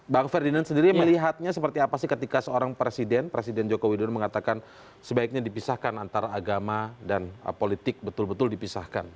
bang ferdinand sendiri melihatnya seperti apa sih ketika seorang presiden presiden joko widodo mengatakan sebaiknya dipisahkan antara agama dan politik betul betul dipisahkan